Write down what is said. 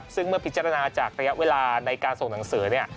ซึ่งเมื่อพิจารณาจากระยะเวลาในการส่งหนังสือ